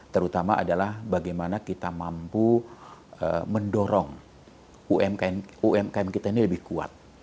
terutama adalah bagaimana kita mampu mendorong umkm kita ini lebih kuat